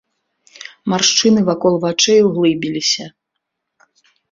Маршчыны вакол вачэй углыбіліся.